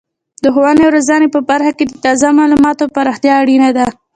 د ښوونې او روزنې په برخه کې د تازه معلوماتو پراختیا اړینه ده.